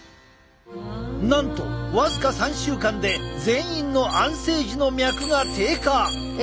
なんと僅か３週間で全員の安静時の脈が低下！